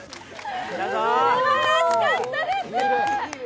すばらしかったです。